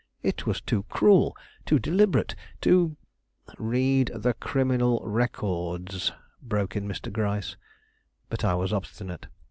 It was too cruel, too deliberate, too " "Read the criminal records," broke in Mr. Gryce. But I was obstinate.